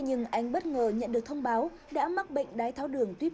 nhưng anh bất ngờ nhận được thông báo đã mắc bệnh đái tháo đường tuyếp